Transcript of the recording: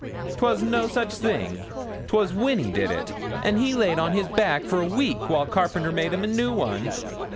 ''Twas no such thing 'twas Winny did it and he laid on his back for a week while carpenter made him a new one.'